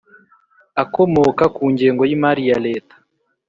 akomoka ku ngengo y imari ya Leta